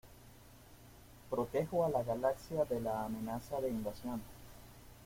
Protejo a la galaxia de la amenaza de invasión...